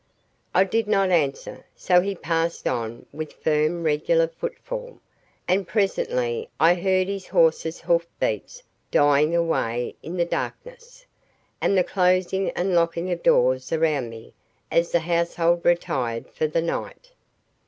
I did not answer; so he passed on with firm regular footfall, and presently I heard his horse's hoof beats dying away in the darkness, and the closing and locking of doors around me as the household retired for the night.